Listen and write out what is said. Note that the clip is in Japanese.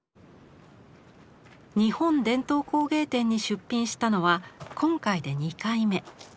日本伝統工芸展に出品したのは今回で２回目。